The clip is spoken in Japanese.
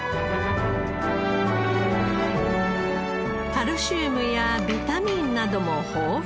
カルシウムやビタミンなども豊富。